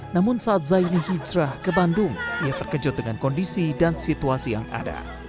namun saat zaini hijrah ke bandung ia terkejut dengan kondisi dan situasi yang ada